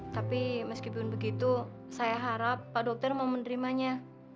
tapi meskipun begitu saya harap pak dokter mau menerimanya